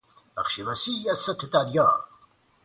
بخش وسیعی از سطح دریا